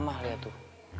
mama liat tuh